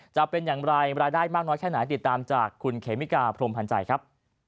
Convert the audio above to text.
จะเป็นอย่างไรรายได้มากน้อยแค่ไหนติดตามจากคุณเขมิกาพรมพันธ์ใจครับ